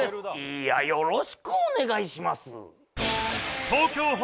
いやよろしくお願いします。